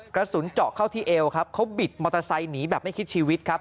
กระสุนเจาะเข้าที่เอวครับเขาบิดมอเตอร์ไซค์หนีแบบไม่คิดชีวิตครับ